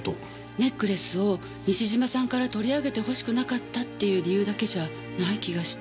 ネックレスを西島さんから取り上げてほしくなかったっていう理由だけじゃない気がして。